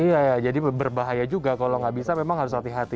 iya jadi berbahaya juga kalau nggak bisa memang harus hati hati